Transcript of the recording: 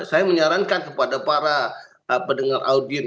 saya menyarankan kepada para pendengar audien